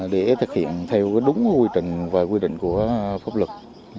để thực hiện theo đúng quy trình và quy định của pháp luật